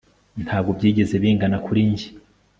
Ntabwo byigeze bingana kuri njye